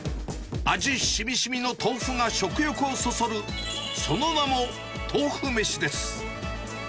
味しみしみの豆腐が食欲をそそる、その名も豆腐めしです。